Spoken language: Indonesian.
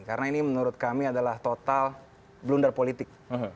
karena ini menurut kami adalah total blunder politik